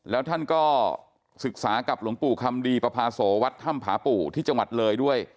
แล้วท่านก็ศึกษากับหลวงปู่คำดีประพาโสวัดถ้ำผาปู่ที่จังหวัดเลยด้วย